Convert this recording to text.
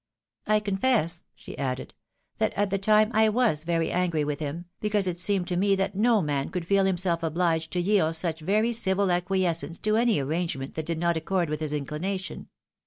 " I confess," she added, " that at the time I was very angry with him, because it seemed to me that no man could feel Mmself obliged to yield such very civil acquiescence to any arrangement that did not accord with his inclination.